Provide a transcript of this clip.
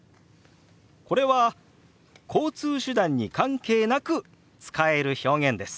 これは交通手段に関係なく使える表現です。